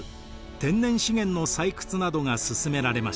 天然資源の採掘などが進められました。